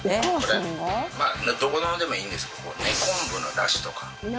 どこのでもいいんですけど根昆布のだしとか。